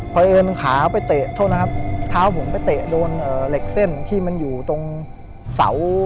เพราะเอิญขาไปเตะโทษนะครับเท้าผมไปเตะโดนเหล็กเส้นที่มันอยู่ตรงเสา